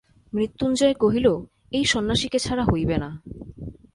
মৃত্যুঞ্জয় কহিল, এই সন্ন্যাসীকে ছাড়া হইবে না।